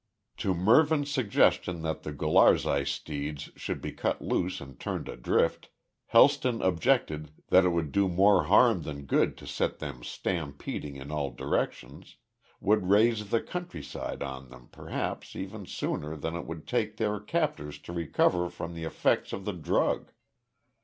To Mervyn's suggestion that the Gularzai steeds should be cut loose and turned adrift, Helston objected that it would do more harm than good to set them stampeding in all directions, would raise the countryside on them perhaps even sooner than it would take their captors to recover from the effects of the drug.